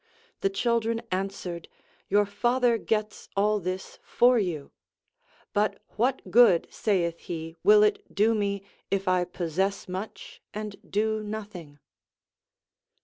The children answered, Your father gets all this for you. But what good, saitli he, will it do me, if I possess much and do nothing